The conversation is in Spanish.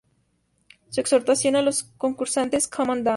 Su exhortación a los concursantes, "Come on down!